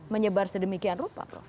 menyebar sedemikian rupa prof